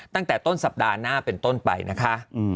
ตั้งแต่ต้นสัปดาห์หน้าเป็นต้นไปนะคะ